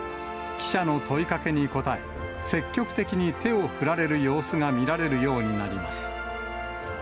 記者の問いかけに答え、積極的に手を振られる様子が見られるようになります。